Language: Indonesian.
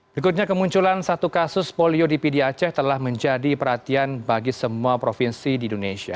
berikutnya kemunculan satu kasus polio di pdi aceh telah menjadi perhatian bagi semua provinsi di indonesia